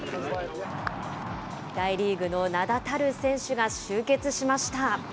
大リーグの名だたる選手が集結しました。